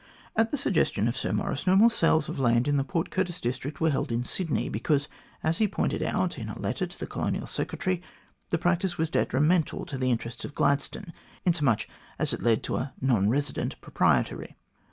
At the suggestion of Sir Maurice, no more sales of land in the Port Curtis district were held in Sydney, because, as he pointed out in a letter to the Colonial Secretary, the practice was detrimental to the interests of Gladstone, inasmuch as it led to a non resident proprietary.